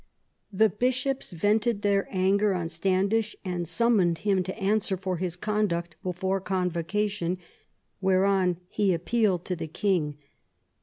The bishops vented their anger on Standish, and summoned him to answer for his conduct before Convo cation, whereon he appealed to the king.